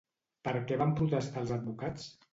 Per què van protestar els advocats?